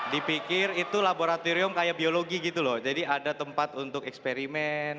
dipikir itu laboratorium kayak biologi gitu loh jadi ada tempat untuk eksperimen